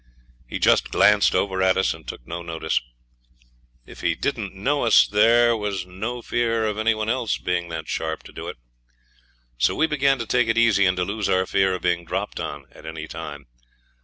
He just glanced over at us and took no notice. If he didn't know us there was no fear of any one else being that sharp to do it. So we began to take it easy, and to lose our fear of being dropped on at any time.